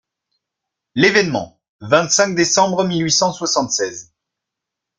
L'ÉVÉNEMENT, vingt-cinq décembre mille huit cent soixante-seize.